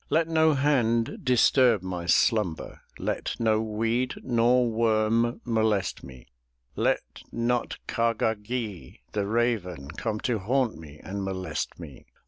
Let no hand disturb my slumber, Let no weed nor worm molest me, Let not Kah gah gee', the raven, Come to haunt me and molest me.